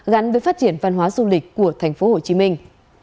gắn với phát triển văn hóa du lịch của thành phố hồ chí minh